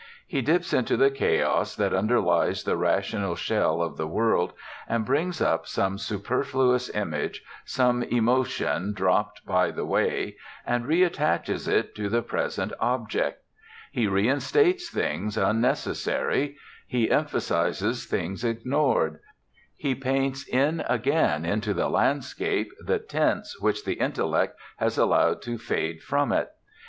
He dips into the chaos that underlies the rational shell of the world and brings up some superfluous image, some emotion dropped by the way, and reattaches it to the present object; he reinstates things unnecessary, he emphasizes things ignored, he paints in again into the landscape the tints which the intellect has allowed to fade from it.